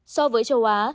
so với châu á